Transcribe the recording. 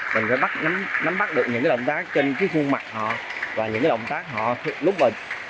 mình phải nắm bắt được những động tác trên khuôn mặt họ và những động tác họ lúc này